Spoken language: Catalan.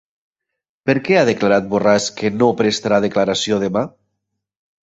Per què ha declarat Borràs que no prestarà declaració demà?